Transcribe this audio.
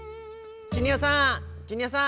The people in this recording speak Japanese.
ジュニアさんジュニアさん。